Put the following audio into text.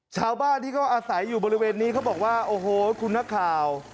ชาวบ้านที่เขาอาศัยอยู่บริเวณนี้เขาบอกว่าโอ้โหคุณนักข่าว